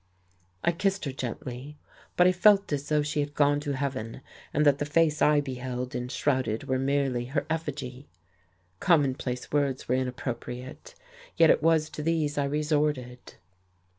I kissed her gently. But I felt as though she had gone to heaven, and that the face I beheld enshrouded were merely her effigy. Commonplace words were inappropriate, yet it was to these I resorted.